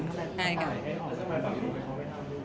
แต่ทำไมฝั่งลูกเขาไม่ห้ามลูกก่อน